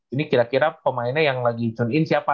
ini kira kira pemainnya yang lagi turne in siapa